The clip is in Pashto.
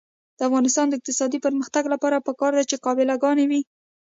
د افغانستان د اقتصادي پرمختګ لپاره پکار ده چې قابله ګانې وي.